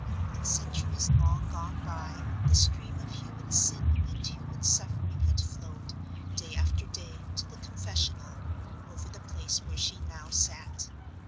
In centuries long gone by, the stream of human sin and human suffering had flowed, day after day, to the confessional, over the place where she now sat.